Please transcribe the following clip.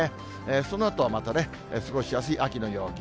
そのあとはまた過ごしやすい秋の陽気。